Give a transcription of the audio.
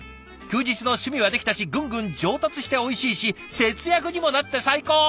休日の趣味はできたしぐんぐん上達しておいしいし節約にもなって最高！